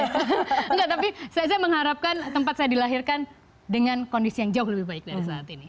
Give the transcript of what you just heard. enggak tapi saya mengharapkan tempat saya dilahirkan dengan kondisi yang jauh lebih baik dari saat ini